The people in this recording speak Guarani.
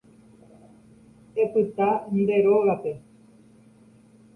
Epyta nde rógape